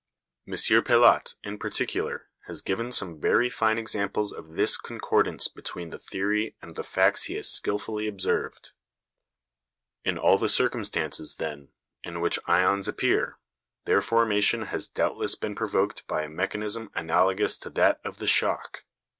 M. Pellat, in particular, has given some very fine examples of this concordance between the theory and the facts he has skilfully observed. In all the circumstances, then, in which ions appear, their formation has doubtless been provoked by a mechanism analogous to that of the shock.